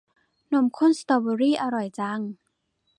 นมข้นสตอเบอร์รี่ อร่อยจัง